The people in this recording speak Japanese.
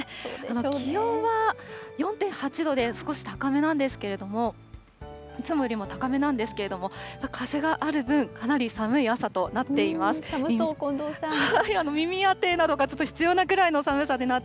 気温は４．８度で少し高めなんですけれども、いつもよりも高めなんですけれども、風がある分、寒そう、近藤さん。